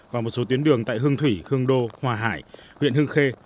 và một số tuyến đường tại hương thủy hương đô hòa hải huyện hương khê